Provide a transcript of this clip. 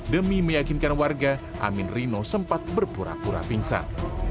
demi meyakinkan warga amin rino sempat berpura pura pingsan